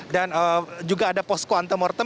dan juga ada pos kuantum mortem